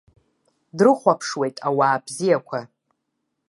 Дрыхәаԥшуеит ауаа бзиақәа.